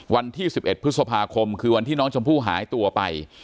วันที่๑๑พฤษภาคมคือวันที่น้องชมพู่หายตัวไป